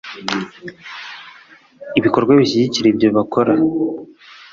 ibikorwa bishyigikira ibyo bakora